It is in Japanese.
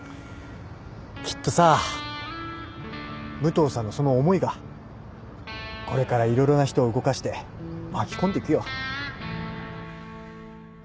きっとさ武藤さんのその思いがこれから色々な人を動かして巻き込んでいくよ